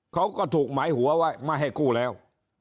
เขาก็ถูกหมายหัวว่าไม่ให้กู้แล้ว